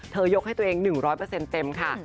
ยกให้ตัวเอง๑๐๐เต็มค่ะ